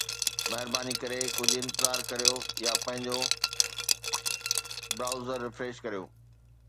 مھرباني ڪري ڪجھ دير انتظار ڪريو يا پنھنجو برائوزر ريفريش ڪريو